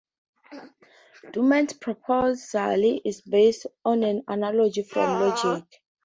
Dummett's proposal is based on an analogy from logic.